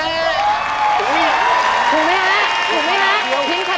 อเรนนี่มันต้องฟังอยู่ค่ะ